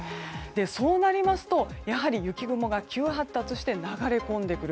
そうなりますと雪雲が急発達して流れ込んでくる。